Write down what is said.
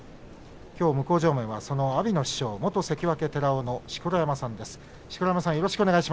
向正面は阿炎の師匠元関脇寺尾の錣山さんです。